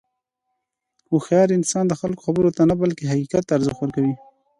هوښیار انسان د خلکو خبرو ته نه، بلکې حقیقت ته ارزښت ورکوي.